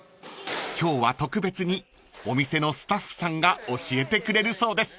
［今日は特別にお店のスタッフさんが教えてくれるそうです］